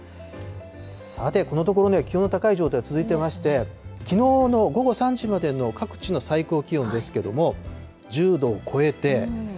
さて、このところね、気温の高い状態続いてまして、きのうの午後３時の時点の各地の最高気温ですけれども、１０度を超えて。